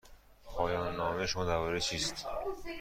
پایان نامه شما درباره چیست؟